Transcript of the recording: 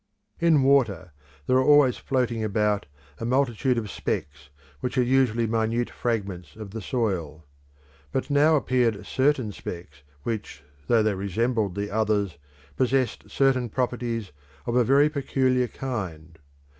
In water there are always floating about a multitude of specks which are usually minute fragments of the soil. But now appeared certain specks which, though they resembled the others, possessed certain properties of a very peculiar kind.